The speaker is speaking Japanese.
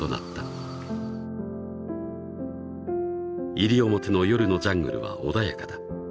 ［西表の夜のジャングルは穏やかだ］